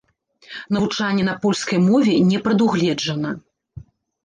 Навучанне на польскай мове не прадугледжана.